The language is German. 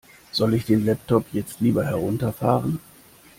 Soll ich den Laptop jetzt lieber herunterfahren?